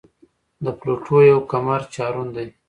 د پلوټو یو قمر چارون دی.